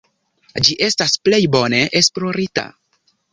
Ĝi estas plej bone esplorita.